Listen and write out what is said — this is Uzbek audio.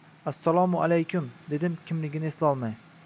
Assalomu alaykum, dedim kimligini eslolmay